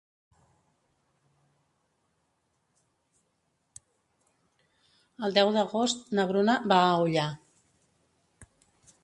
El deu d'agost na Bruna va a Ullà.